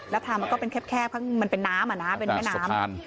แล้วทางมันก็เป็นแคบข้างมันเป็นน้ำอ่ะนะเป็นแม่น้ำ